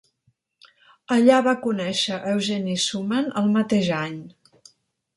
Allà va conèixer Eugenie Schumann el mateix any.